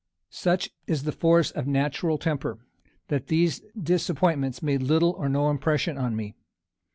Such is the force of natural temper, that these disappointments made little or no impression on me.